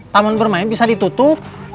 taman bermain bisa ditutup